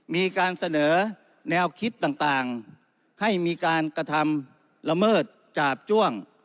มีการเสนอแนวคิดต่างให้มีการกระทำละเมิดจาบจ้วง